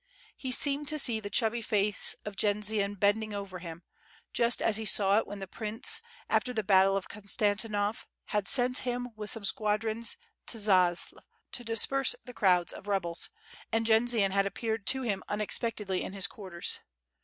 He seemed to see the chubby face of Jendzian bending over him, just as he saw it when the prince, after the battle of Konstantinov, had sent him with some squadrons to Zaslav to disperse the crowds of rebels, and Jendzian had appeared to him unexpectedly in his quarters.